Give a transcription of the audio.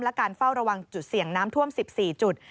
และการเฝ้าระวังจุดเสี่ยงน้ำท่วม๑๔จุด